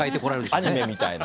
アニメみたいな。